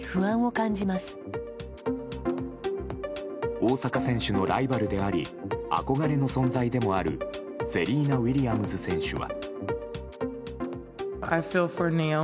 大坂選手のライバルであり憧れの存在でもあるセリーナ・ウィリアムズ選手は。